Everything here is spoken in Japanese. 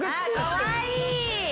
かわいい。